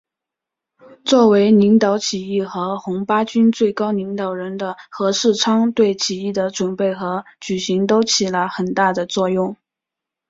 作为领导起义和红八军最高领导人的何世昌对起义的准备和举行都起了很大的作用。